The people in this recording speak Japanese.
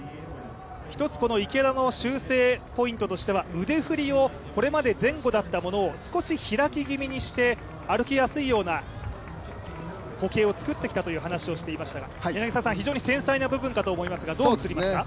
一つ、池田の修正ポイントとしては腕振りをこれまで前後だったものを少し開き気味にして歩きやすいような歩型を作ってきたという話をしていましたが非常に繊細な部分かと思いますが、どう映りますか？